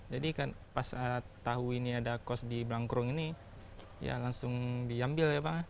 jadi kan pas tahu ini ada kos di blangkrum ini ya langsung diambil ya bang